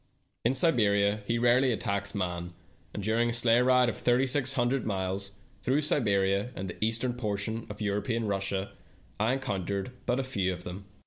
In Siberia he rarely attacks man, and during a sleigh ride of thirty six hundred miles through Siberia and the eastern portion of European Russia I encountered but few of them.